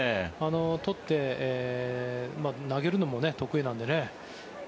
とって、投げるのも得意なのでね